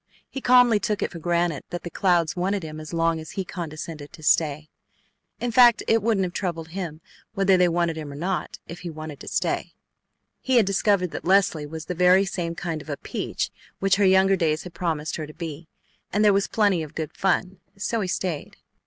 He calmly took it for granted that the Clouds wanted him as long as he condescended to stay. In fact, it wouldn't have troubled him whether they wanted him or not if he wanted to stay. He had discovered that Leslie was the very same kind of a "peach" which her younger days had promised her to be, and there was plenty of good fun, so he stayed.